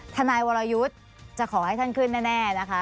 ทนายวรยุทธ์จะขอให้ท่านขึ้นแน่นะคะ